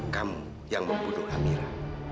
kamu yang membunuh amira